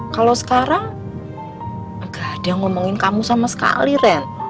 kalau sekarang agak ada yang ngomongin kamu sama sekali ren